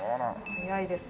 速いですね。